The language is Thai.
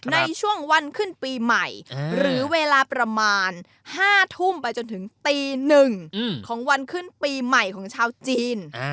ในช่วงวันขึ้นปีใหม่หรือเวลาประมาณ๕ทุ่มไปจนถึงตี๑ของวันขึ้นปีใหม่ของชาวจีน